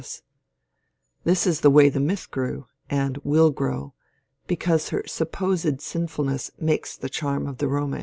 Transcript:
This is the way the myth grew, — and will grow, — because her supposed sinfulness makes the charm of the romance.